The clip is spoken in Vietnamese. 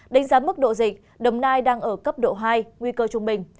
đánh giá mức độ dịch đồng nai đang ở cấp độ hai nguy cơ trung bình